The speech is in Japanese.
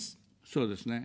そうですね。